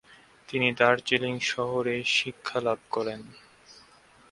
তিনি দার্জিলিং শহরে শিক্ষালাভ করেন।